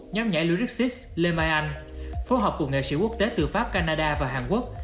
nhóm nhảy lyricist lê mai anh phố học của nghệ sĩ quốc tế từ pháp canada và hàn quốc